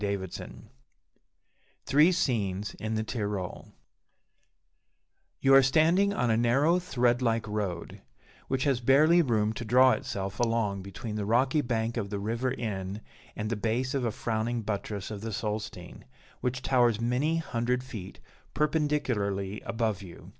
Leigh Hunt THREE SCENES IN THE TYROL You are standing on a narrow, thread like road, which has barely room to draw itself along between the rocky bank of the River Inn, and the base of a frowning buttress of the Solstein, which towers many hundred feet perpendicularly above you.